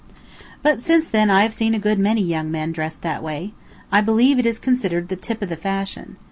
"] But since then I have seen a good many young men dressed that way. I believe it is considered the tip of the fashion.